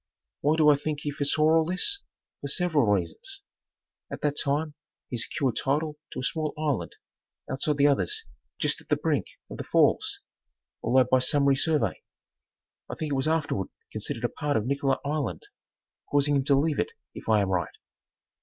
Why do I think he foresaw all this? For several reasons. At that time he secured title to a small island outside the others just at the brink of the Falls, although by some re survey. I think it was afterward considered a part of Nicollet Island, causing him to leave it, if I am right.